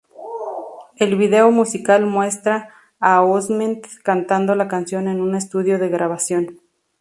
El video musical muestra a Osment cantando la canción en un estudio de grabación.